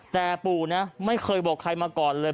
แต่ปู่นะไม่เคยบอกใครมาก่อนเลย